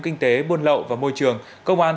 kinh tế buôn lậu và môi trường công an